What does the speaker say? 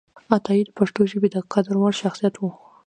عطایي د پښتو ژبې د قدر وړ شخصیت و